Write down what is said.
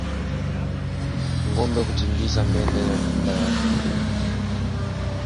Ngombe kutingishika mbele na nyuma wakati wa kupumua